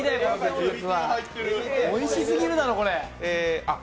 おいしすぎるだろ、これ！